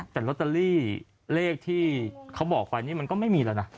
แต่ลอตเตอรี่เลขที่เขาบอกไปนี่มันก็ไม่มีแล้วนะ